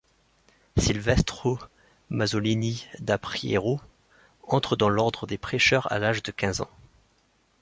Silvestro Mazzolini da Prierio entre dans l'ordre des Prêcheurs à l'âge de quinze ans.